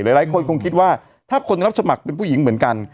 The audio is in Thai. หลายคนคงคิดว่าถ้าคนรับสมัครเป็นผู้หญิงเหมือนกัน